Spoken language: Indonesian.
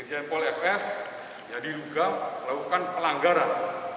irjen poli fs diduga melakukan pelanggaran